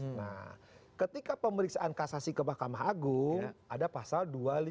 nah ketika pemeriksaan kasasi ke mahkamah agung ada pasal dua ratus lima puluh